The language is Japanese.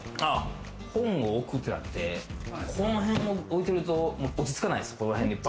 本を置くってなって、この辺に置いてたら落ち着かないんですよ。